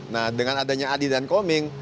nah dengan adanya adi dan koming